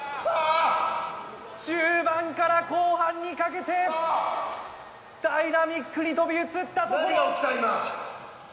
中盤から後半にかけてダイナミックに飛び移ったところ。